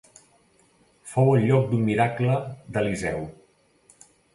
Fou el lloc d'un miracle d'Eliseu.